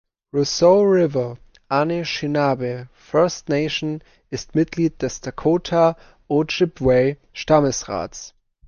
Roseau River Anishinabe First Nation ist Mitglied des Dakota Ojibway Stammesrats.